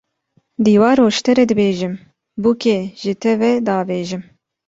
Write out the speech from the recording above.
Diwaro ji te re dibêjim, bûkê ji te ve davêjim